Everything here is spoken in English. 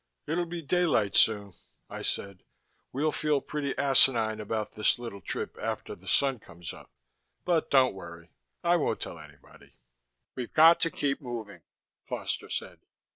"It'll be daylight soon," I said. "We'll feel pretty asinine about this little trip after the sun comes up, but don't worry, I won't tell anybody " "We've got to keep moving," Foster said.